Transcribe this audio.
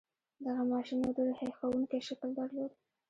دغه ماشين يو ډېر هیښوونکی شکل درلود.